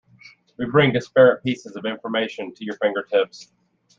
We bring disparate pieces of information to your fingertips.